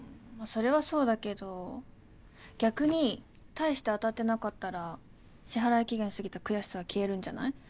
それはそうだけど逆に大して当たってなかったら支払い期限過ぎた悔しさは消えるんじゃない？